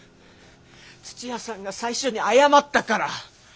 土屋さんが最初に謝ったから！